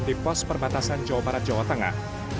di pos perbatasan jawa barat jawa tengah